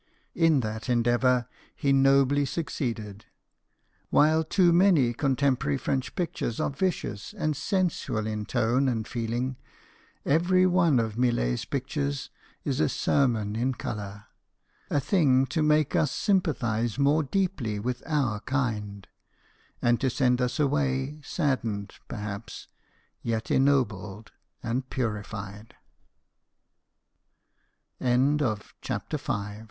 In that endeavour he 'nobly succeeded. While too many contem porary French pictures are vicious and sensual in tone and feeling, every one of Millet's pictures is a sermon in colour a thing to make us sympathize more deeply with our kind, and to send us away, saddened perhaps, yet ennobled a